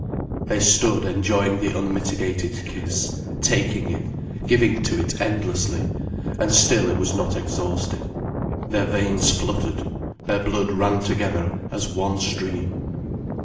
They stood enjoying the unmitigated kiss, taking it, giving to it endlessly, and still it was not exhausted. Their veins fluttered, their blood ran together as one stream.